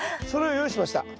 それを用意しました。